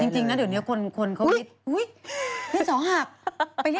ใช่